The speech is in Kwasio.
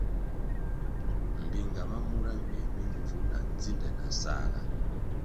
Mbpinga ma mura nywie mi mbvu na ndzinde na nsãhga.